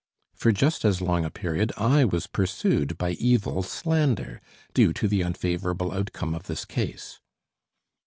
For just as long a period I was pursued by evil slander, due to the unfavorable outcome of this case.